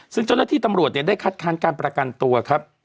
ซึ่งเจ้าหน้าที่ตำรวจได้คัดค้านการประกันตัวครับ